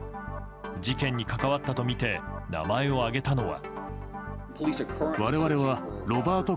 事件に関わったとみて名前を挙げたのは。